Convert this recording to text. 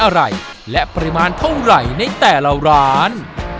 อะไรและปริมาณเท่าไหร่ในแต่ละร้าน